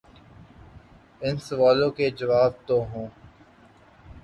ان سوالوں کے جواب تو ہوں۔